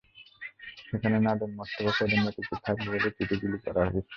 সেখানে নাদিম মোস্তফা প্রধান অতিথি থাকবেন বলে চিঠি বিলি করা হয়েছে।